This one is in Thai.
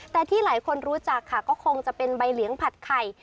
แต่ที่หลายคนรู้จักค่ะก็คงจะเป็นใบเหลียงผัดไข่